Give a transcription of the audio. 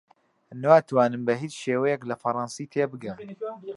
ناتوانم بە هیچ شێوەیەک لە فەڕەنسی تێبگەم.